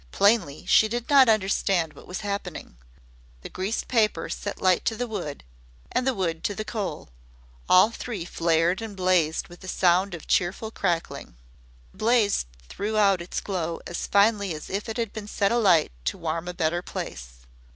Plainly, she did not understand what was happening. The greased paper set light to the wood, and the wood to the coal. All three flared and blazed with a sound of cheerful crackling. The blaze threw out its glow as finely as if it had been set alight to warm a better place.